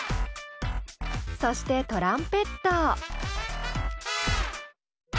そしてトランペット。